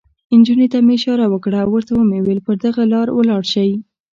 نجونو ته مې اشاره وکړه، ورته مې وویل: پر دغه لار ولاړ شئ.